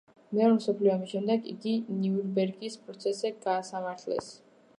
მეორე მსოფლიო ომის შემდეგ იგი ნიურნბერგის პროცესზე გაასამართლეს.